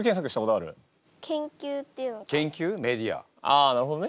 ああなるほどね。